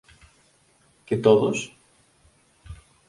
¿Que todos?